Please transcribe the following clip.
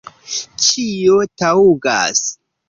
Ĉio taŭgas.